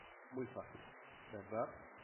Muy fácil, ¿verdad?